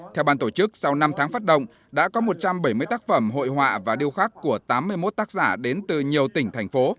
theo bàn tổ chức sau năm tháng phát động đã có một trăm bảy mươi tác phẩm hội họa và điều khác của tám mươi một tác giả đến từ nhiều tỉnh thành phố